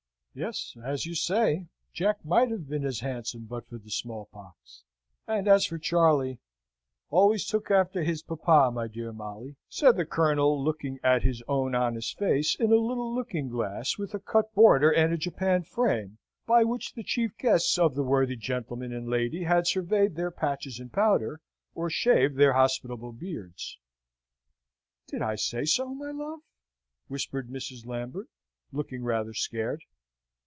"Yes, as you say, Jack might have been as handsome but for the small pox: and as for Charley " "Always took after his papa, my dear Molly," said the Colonel, looking at his own honest face in a little looking glass with a cut border and a japanned frame, by which the chief guests of the worthy gentleman and lady had surveyed their patches and powder, or shaved their hospitable beards. "Did I say so, my love?" whispered Mrs. Lambert, looking rather scared.